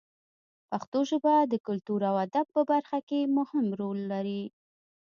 پښتو ژبه د کلتور او ادب په برخه کې مهم رول لري.